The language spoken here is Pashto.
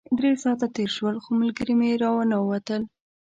درې ساعته تېر شول خو ملګري مې راونه وتل.